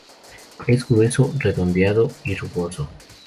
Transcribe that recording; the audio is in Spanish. Es grueso, redondeado y rugoso.